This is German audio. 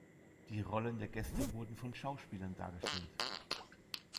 Die Rollen der Gäste wurden von Schauspielern dargestellt.